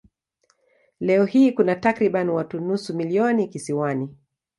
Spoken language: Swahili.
Leo hii kuna takriban watu nusu milioni kisiwani.